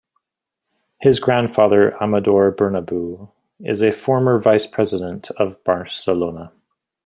His grandfather, Amador Bernabeu, is a former vice-president of Barcelona.